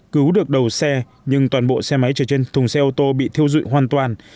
cứu được đầu xe nhưng toàn bộ xe máy chở trên thùng xe ô tô bị thiêu dụi hoàn toàn